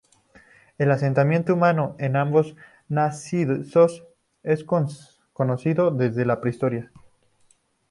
El asentamiento humano en ambos macizos es conocido desde la prehistoria.